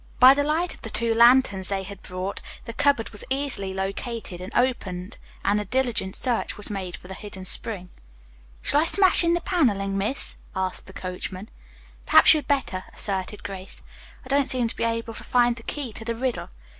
By the light of the two lanterns they had brought, the cupboard was easily located and opened and a diligent search was made for the hidden spring. "Shall I smash in the paneling, miss?" asked the coachman. "Perhaps you'd better," assented Grace. "I don't seem to be able to find the key to the riddle."